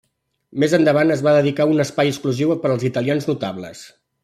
Més endavant es va dedicar un espai exclusiu per als italians notables.